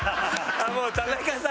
あっもう田中さん。